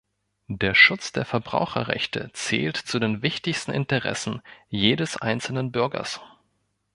Der Schutz der Verbraucherrechte zählt zu den wichtigsten Interessen jedes einzelnen Bürgers.